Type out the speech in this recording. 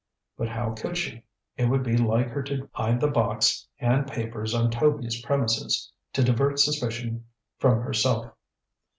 But how could she? It would be like her to hide the box and papers on Toby's premises, to divert suspicion from herself.